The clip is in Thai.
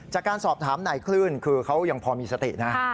จากการสอบถามไหนขึ้นคือเขายังพอมีสตินะฮะ